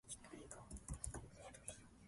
エストレマドゥーラ州の州都はメリダである